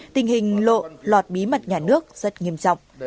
tình hình lộ lọt bí mật nhà nước rất nghiêm trọng